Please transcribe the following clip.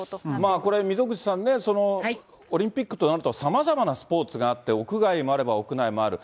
これ、溝口さんね、オリンピックとなると、さまざまなスポーツがあって、屋外もあれば屋内もある。